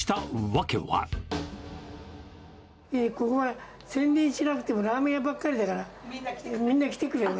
ここは宣伝しなくても、ラーメン屋ばっかりだから、みんな来てくれる。